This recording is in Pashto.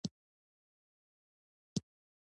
دا هم د امیر حبیب الله خان په وخت کې.